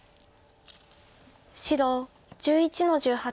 白１１の十八。